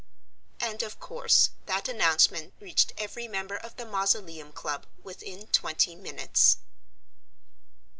And, of course, that announcement reached every member of the Mausoleum Club within twenty minutes.